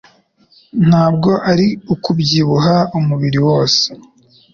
ntabwo ari ukubyibuha umubiri wose,